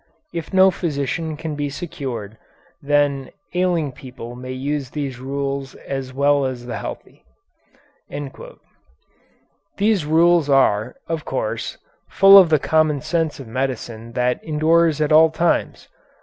If no physician can be secured, then ailing people may use these rules as well as the healthy. These rules are, of course, full of the common sense of medicine that endures at all times.